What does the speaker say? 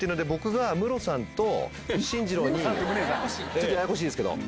ちょっとややこしいですけど。